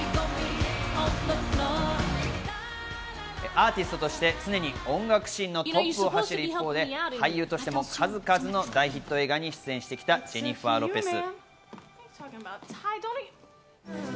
アーティストとして常に音楽シーンのトップを走る一方で俳優としても数々の大ヒット映画に出演してきたジェニファー・ロペス。